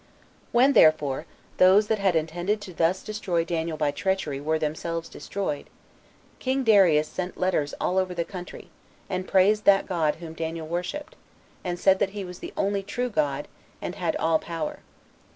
7. When therefore those that had intended thus to destroy Daniel by treachery were themselves destroyed, king Darius sent [letters] over all the country, and praised that God whom Daniel worshipped, and said that he was the only true God, and had all power.